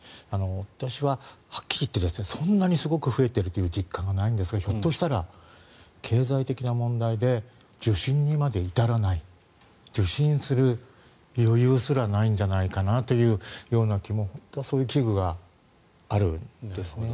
私ははっきり言ってそんなにすごく増えているという実感はないんですがひょっとしたら経済的な問題で受診にまで至らない受診する余裕すらないんじゃないかなという気も本当そういう危惧があるんですね。